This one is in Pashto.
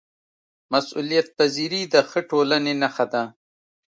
مسؤلیتپذیري د ښه ټولنې نښه ده